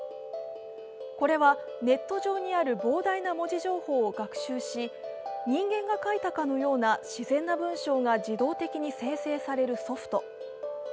これはネット上にある膨大な文字情報を学習し人間が書いたかのような自然な文章が自動的に生成されるソフト。